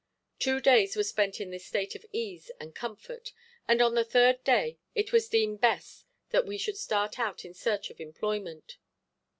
Two days were spent in this state of ease and comfort, and on the third day it was deemed best that we should start out in search of employment.